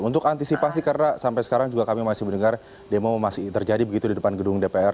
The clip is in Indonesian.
untuk antisipasi karena sampai sekarang juga kami masih mendengar demo masih terjadi begitu di depan gedung dpr